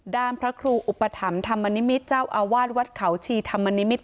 พระครูอุปถัมภ์ธรรมนิมิตรเจ้าอาวาสวัดเขาชีธรรมนิมิตร